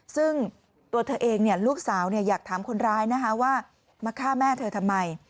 ซึ่งตัวเธอเองลูกสาวอยากถามคนร้ายนะคะว่ามาฆ่าแม่เธอทำไม